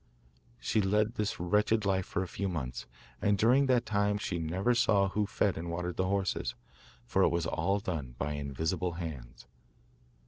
She led this wretched life for a few months, and during that time she never saw who fed and watered the horses, for it was all done by invisible hands.